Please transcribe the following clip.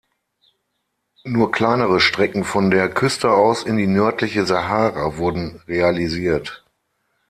Nur kleinere Strecken von der Küste aus in die nördliche Sahara wurden realisiert.